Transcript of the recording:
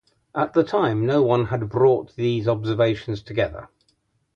At the time no-one had brought these observations together.